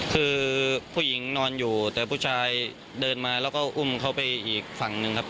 คือผู้หญิงนอนอยู่แต่ผู้ชายเดินมาแล้วก็อุ้มเขาไปอีกฝั่งหนึ่งครับ